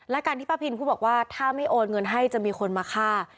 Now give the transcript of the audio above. และการที่ป้าพินพูดบอกว่าถ้าไม่โอนเงินให้จะมีคนมาฆ่า